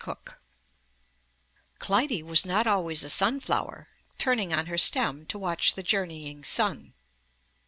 Cooke Clytie was not always a sunflower, turning on her stem to watch the journeying sun.